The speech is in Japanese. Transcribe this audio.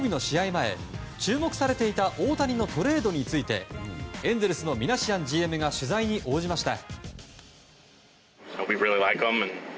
前、注目されていた大谷のトレードについてエンゼルスのミナシアンＧＭが取材に応じました。